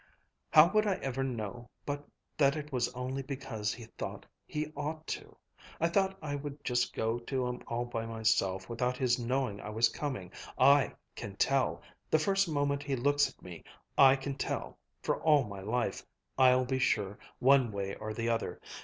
How would I ever know but that it was only because he thought he ought to? I thought I would just go to him all by myself, without his knowing I was coming. I can tell the first moment he looks at me I can tell for all my life, I'll be sure, one way or the other.